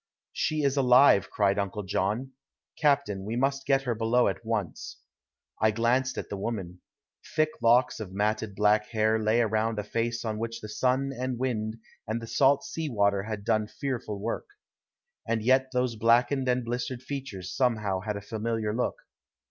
"She is alive," cried Uncle John. "Captain, we must get her below at once." I glanced at the woman. Thick locks of matted black hair lay around a face on which the sun and wind and the salt sea water had done fearful work. And yet those blackened and blistered features somehow had a familiar look.